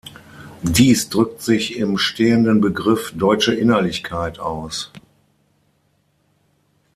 Dies drückt sich im stehenden Begriff „deutsche Innerlichkeit“ aus.